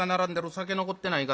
酒残ってないか？